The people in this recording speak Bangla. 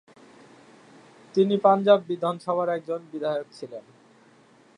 তিনি পাঞ্জাব বিধানসভার একজন বিধায়ক ছিলেন।